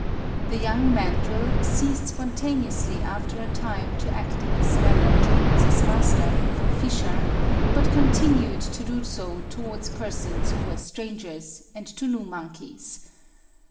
The young mandrill ceased spontaneously after a time to act in this manner towards his master, von Fischer, but continued to do so towards persons who were strangers and to new monkeys.